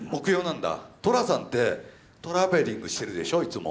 寅さんってトラベリングしてるでしょいつも。